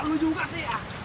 lu juga sih ah